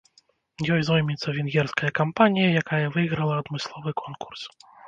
Ёй зоймецца венгерская кампанія, якая выйграла адмысловы конкурс.